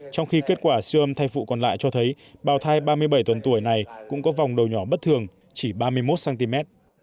trong khi kết quả siêu âm thai phụ còn lại cho thấy bào thai ba mươi bảy tuần tuổi này cũng có vòng đầu nhỏ bất thường chỉ ba mươi một cm